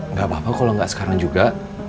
nggak apa apa kalau nggak sekarang juga